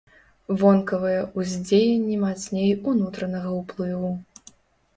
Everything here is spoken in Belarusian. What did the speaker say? Вонкавыя ўздзеянні мацней унутранага ўплыву.